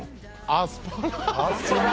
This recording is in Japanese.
アスパラ。